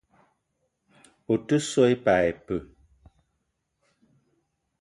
Ou te so i pas ipee?